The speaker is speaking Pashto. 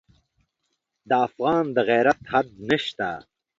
د افغان د غیرت حد نه شته.